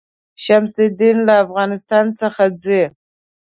شمس الدین له افغانستان څخه راځي.